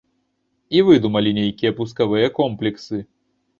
І выдумалі нейкія пускавыя комплексы!